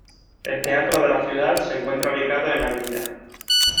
El Teatro de la Ciudad se encuentra ubicado en Av.